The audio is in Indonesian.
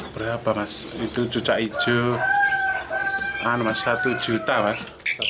berapa mas itu cucak hijau satu juta mas